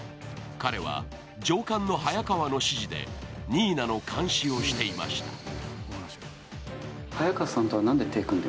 彼は上官の早川の指示で、新名の監視をしていました。